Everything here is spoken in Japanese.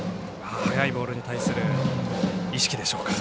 速いボールに対する意識でしょうか。